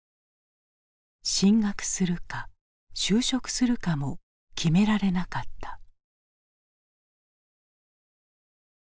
進学するか就職するかも決められなかった。